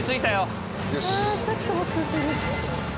ちょっとホッとする。